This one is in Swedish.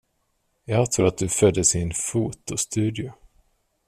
Jag tror att du föddes i en fotostudio.